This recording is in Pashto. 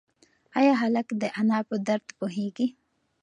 ایا هلک د انا په درد پوهېږي؟